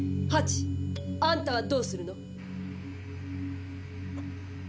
ハチ。あんたはどうするの？